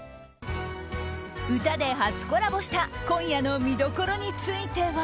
歌で初コラボした今夜の見どころについては。